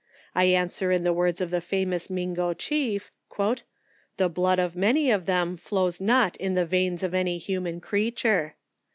I answer in the words of the famous Mingo Chief, "the blood of many of them flows not in the veins of any human creature.